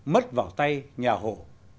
mất vào tay nhà hồ